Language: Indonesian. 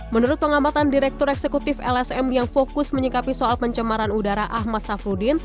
menurut pengamatan direktur eksekutif lsm yang fokus menyikapi soal pencemaran udara ahmad safruddin